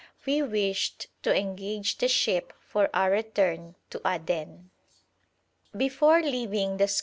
We wished to engage the ship for our return to Aden. Before leaving the s.s.